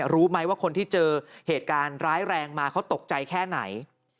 รู้ไหมว่าคนที่เจอเหตุการณ์ร้ายแรงมาเขาตกใจแค่ไหน